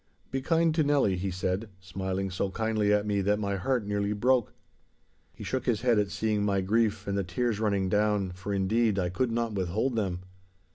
'Be kind to Nelly!' he said, smiling so kindly at me, that my heart nearly broke. He shook his head at seeing my grief and the tears running down, for, indeed, I could not withhold them.